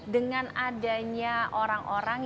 dengan adanya orang orang